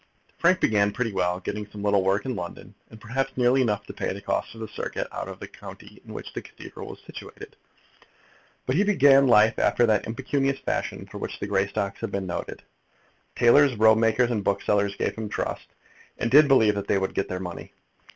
Frank began pretty well, getting some little work in London, and perhaps nearly enough to pay the cost of his circuit out of the county in which the cathedral was situated. But he began life after that impecunious fashion for which the Greystocks have been noted. Tailors, robemakers, and booksellers gave him trust, and did believe that they would get their money.